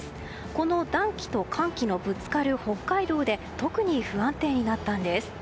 この暖気と寒気のぶつかる北海道で特に不安定になったんです。